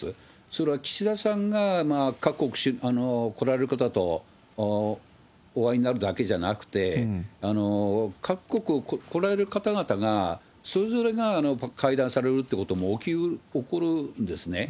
それは岸田さんが各国来られる方とお会いになるだけじゃなくて、各国来られる方々が、それぞれが会談されるっていうことも起こるんですね。